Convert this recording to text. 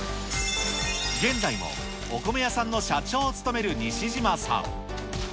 現在もお米屋さんの社長を務める西島さん。